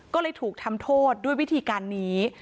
ก็เลยถูกทำโทษด้วยวิธีการนี้